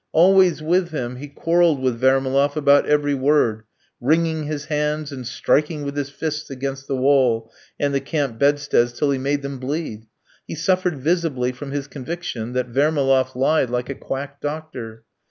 Always with him, he quarrelled with Vermaloff about every word; wringing his hands, and striking with his fists against the wall and the camp bedsteads till he made them bleed, he suffered visibly from his conviction that Vermaloff "lied like a quack doctor."